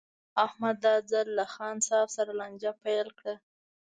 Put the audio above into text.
احمد دا ځل له خان صاحب سره لانجه پیل کړه.